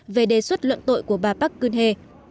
về đề xuất luận tội của bà park geun hye